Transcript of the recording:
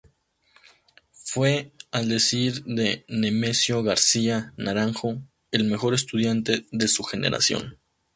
Fue, al decir de Nemesio García Naranjo, "el mejor estudiante de su generación".